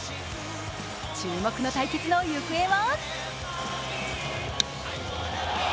注目の対決の行方は？